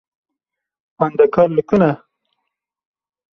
Xwendekar li ku ne?